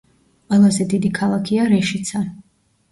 ყველაზე დიდი ქალაქია რეშიცა.